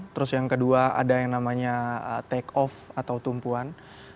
terus yang kedua ada yang namanya take off atau tumpuan